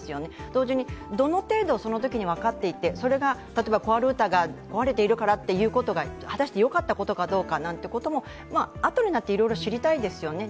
同時に、どの程度、そのときに分かっていて、例えばコアルーターが壊れているということが果たしてよかったことかどうかもあとになって知りたいですよね。